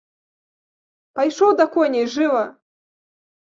Пайшоў да коней, жыва!